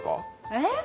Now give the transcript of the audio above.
えっ？